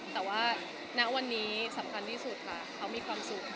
แต่ว่าณวันนี้สำคัญที่สุดค่ะเขามีความสุข